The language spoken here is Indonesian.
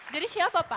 jadi siapa pak